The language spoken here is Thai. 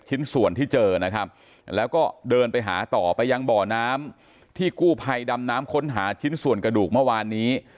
ชิ้นส่วนที่เจอนะครับแล้วก็เดินไปหาต่อไปยังบ่อน้ำที่กู้ภัยดำน้ำค้นหาชิ้นส่วนกระดูกเมื่อวานนี้